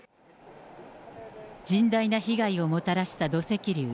甚大な被害をもたらした土石流。